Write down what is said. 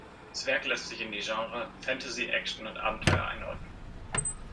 Das Werk lässt sich in die Genre Fantasy, Action und Abenteuer einordnen.